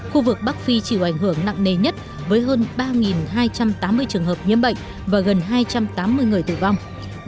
khu vực bắc phi chịu ảnh hưởng nặng nề nhất với hơn ba hai trăm tám mươi trường hợp nhiễm bệnh và gần hai trăm tám mươi người tử vong